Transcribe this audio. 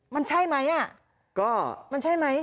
มันใช่ไหมมันใช่ไหม